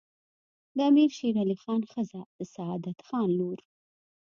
د امیر شیرعلي خان ښځه د سعادت خان لور